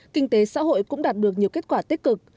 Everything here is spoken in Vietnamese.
kinh tế xã hội cũng đạt được nhiều kết quả tích cực